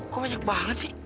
kok banyak banget sih